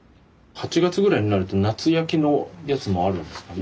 ８月ぐらいになると夏焼きのやつもあるんですね。